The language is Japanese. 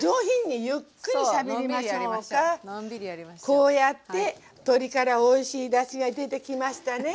こうやって鶏からおいしいだしが出てきましたね